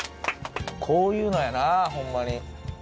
こういうのやなホンマに。